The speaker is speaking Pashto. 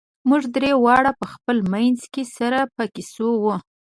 موږ درې واړه په خپل منځ کې سره په کیسو وو.